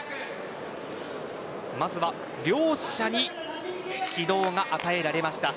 まずは、両者に指導が与えられました。